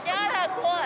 怖い。